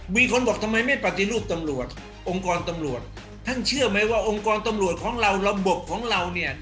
มีคนบอกทำไมไม่ปฏิรูปตำรวจองค์กรตำรวจท่านเชื่อไหมว่าองค์กรตำรวจของเราระบบของเราเนี่ย